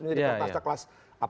jadi kertas ceklas